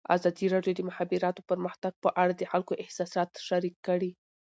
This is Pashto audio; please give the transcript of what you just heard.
ازادي راډیو د د مخابراتو پرمختګ په اړه د خلکو احساسات شریک کړي.